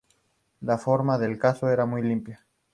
La forma del casco era muy limpia.